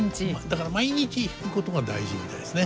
だから毎日弾くことが大事みたいですね。